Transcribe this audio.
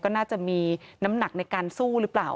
ก็น่าจะมีน้ำหนักในการสู้หรือเปล่า